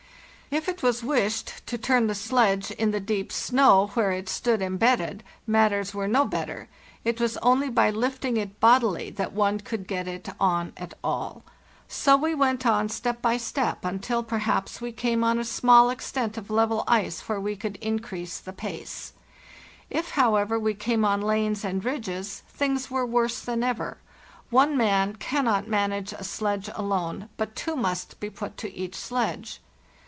If it was wished to turn the sledge in the deep snow where it stood embedded, matters were no better; it was only by lifting it bodily that one could get it on at all. So we went on step by step until perhaps we came on a small extent of level ice where we could increase the pace. If, however, we came on lanes and ridges, things were worse than ever; one man cannot manage a sledge alone, but two must be put to each sledge.